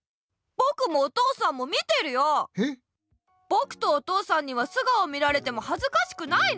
ぼくとお父さんには素顔見られてもはずかしくないの？